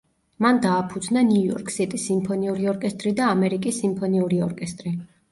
მან დააფუძნა ნიუ-იორკ სიტის სიმფონიური ორკესტრი და ამერიკის სიმფონიური ორკესტრი.